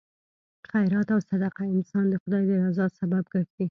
خیرات او صدقه انسان د خدای د رضا سبب ګرځي.